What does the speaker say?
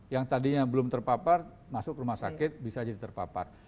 yang tadinya belum terpapar masuk rumah sakit bisa jadi terpapar